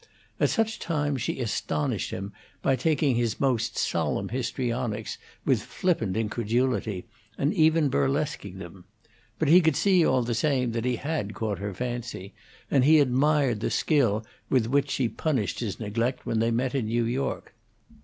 At such times she astonished him by taking his most solemn histrionics with flippant incredulity, and even burlesquing them. But he could see, all the same, that he had caught her fancy, and he admired the skill with which she punished his neglect when they met in New York.